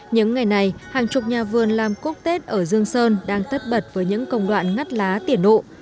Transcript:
những ngày này hàng chục nhà vườn làm cúc tết ở dương sơn đang tất bật với những công đoạn ngắt lá tiể